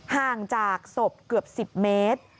ห่างจากศพเกือบ๑๐เมตร